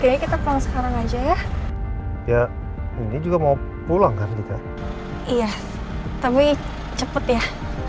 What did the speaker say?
kayaknya kita pulang sekarang aja ya ini juga mau pulang kartika iya tapi cepet ya